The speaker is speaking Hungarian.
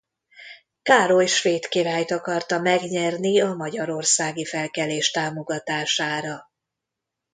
Károly svéd királyt akarta megnyerni a magyarországi felkelés támogatására.